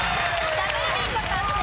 ダブルビンゴ達成。